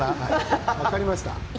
分かりました。